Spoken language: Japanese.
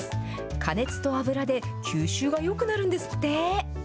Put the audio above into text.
加熱と油で吸収がよくなるんですって。